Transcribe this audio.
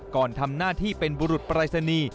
ก่อนทำหน้าที่เป็นบุรุษปรายศนีย์